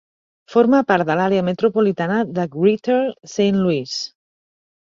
Forma part de l'àrea metropolitana de Greater Saint Louis.